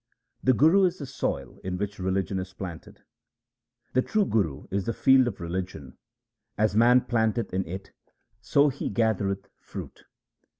The Guru is the soil in which religion is planted :— The true Guru is the field of religion ; as man planteth in it, so he gathereth fruit.